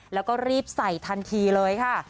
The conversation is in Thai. แล้วก็รีบใส่ทันทีเลยค่ะ